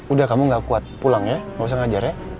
udah kamu nggak kuat pulang ya nggak usah ngajar ya